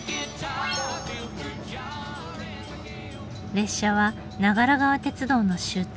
列車は長良川鉄道の終点